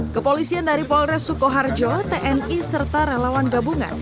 kepolisian dari polres sukoharjo tni serta relawan gabungan